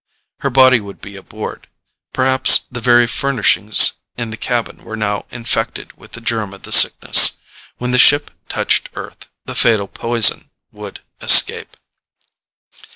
Her body would be aboard; perhaps the very furnishings in the cabin were now infected with the germ of the Sickness. When the ship touched Earth, the fatal poison would escape.